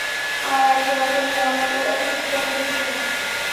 আর আজকে তোমরা আমার এতটুকু কথা শুনছো না?